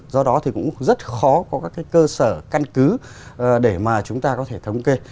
do đó thì cũng rất khó có các cái cơ sở căn cứ để mà chúng ta có thể thống kê